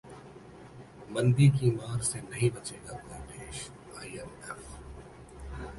मंदी की मार से नहीं बचेगा कोई देश: आईएमएफ